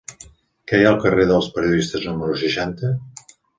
Què hi ha al carrer dels Periodistes número seixanta?